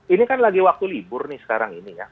ini kan lagi waktu libur nih sekarang ini ya